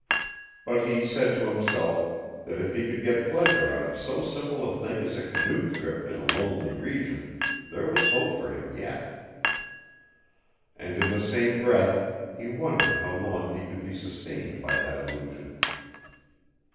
But he said to himself that if he could get pleasure out of so simple a thing as a canoe trip in a lonely region, there was hope for him yet. And in the same breath he wondered how long he could be sustained by that illusion.